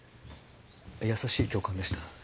優しい教官でした。